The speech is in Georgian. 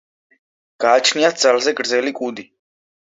გააჩნიათ ძალზე გრძელი კუდი.